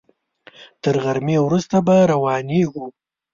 تر غرمې وروسته به روانېږو.